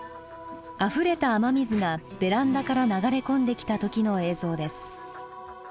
あふれた雨水がベランダから流れ込んできた時の映像です。